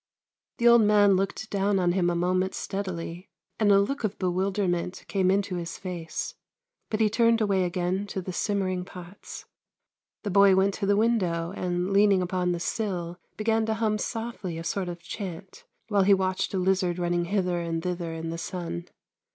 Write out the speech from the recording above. The old man looked down on him a moment steadily, and a look of bewilderment came into his face. But he turned away again to the simmering pots. The boy went to the window, and, leaning upon the sill, began to hum softly a sort of chant, while he watched a lizard running hither and thither in the sun.